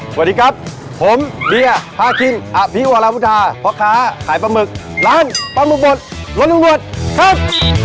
สวัสดีครับผมเบียร์ภาคิมอัพพิวาลาพุทธาพ่อค้าขายปลาหมึกร้านปลาหมึกบดรถลุงรวดครับ